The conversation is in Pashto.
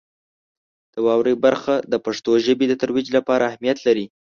د واورئ برخه د پښتو ژبې د ترویج لپاره اهمیت لري.